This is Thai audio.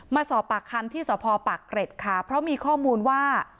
มาสอบปากคำที่สพปากเกร็ดค่ะเพราะมีข้อมูลว่า